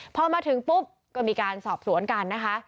พอมาถึงปุ๊บก็มีการสอบสวนกันนะคะ